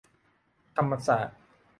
ธรรมศาสตร์